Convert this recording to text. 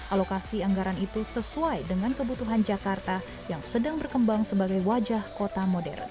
alokasi anggaran itu sesuai dengan kebutuhan jakarta yang sedang berkembang sebagai wajah kota modern